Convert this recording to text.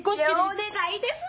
お願いです